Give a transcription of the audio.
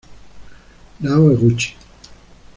Nao Eguchi